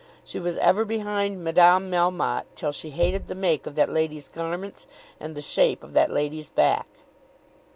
She was ever behind Madame Melmotte, till she hated the make of that lady's garments and the shape of that lady's back.